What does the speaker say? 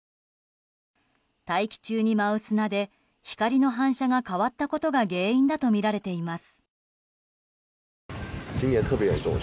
大気中に舞う砂で光の反射が変わったことが原因だとみられています。